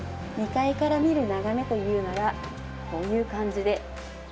２階から見る眺めというのはこういう感じです。